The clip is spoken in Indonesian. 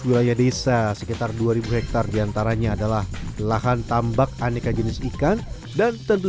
wilayah desa sekitar dua ribu hektare diantaranya adalah lahan tambak aneka jenis ikan dan tentu